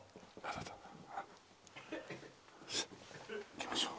行きましょう。